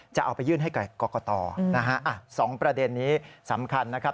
จะเอาไปยื่นให้กับกรกตนะฮะ๒ประเด็นนี้สำคัญนะครับ